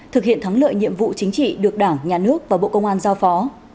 thực hiện thắng lợi nhiệm vụ chính trị được đảng nhà nước và bộ công an giao phó